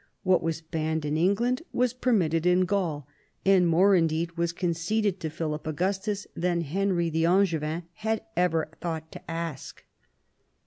What was banned in England was per mitted in Gaul, and more indeed was conceded to Philip Augustus than Henry the Angevin had ever thought to ask.